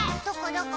どこ？